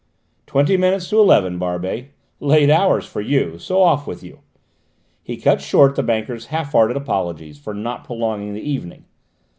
"Twenty minutes to eleven, Barbey: late hours for you. So off with you." He cut short the banker's half hearted apologies for not prolonging the evening.